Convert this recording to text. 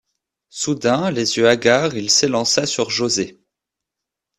Soudain, les yeux hagards, il s’élança sur José